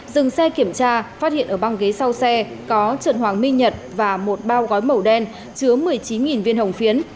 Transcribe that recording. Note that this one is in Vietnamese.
dừng xe kiểm tra phát hiện ở băng ghế sau xe có trần hoàng minh nhật và một bao gói màu đen chứa một mươi chín viên hồng phiến